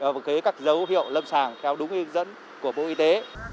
và kế các dấu hiệu lâm sàng theo đúng ý nghĩa